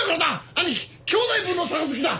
兄貴兄弟分の杯だ。